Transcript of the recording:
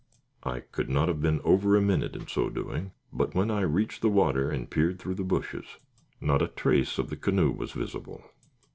I could not have been over a minute in so doing, but when I reached the water, and peered through the bushes, not a trace of the canoe was visible.